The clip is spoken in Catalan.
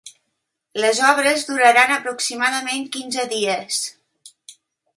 Les obres duraran aproximadament quinze dies.